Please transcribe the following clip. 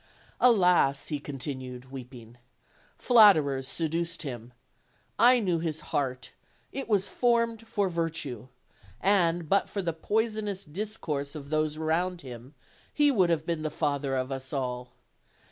Alas!" he continued, weeping, "flatterers seduced him. I knew his heart, it was formed for virtue; and, but for the poisonous discourse of those around him, he would have been the father of us all.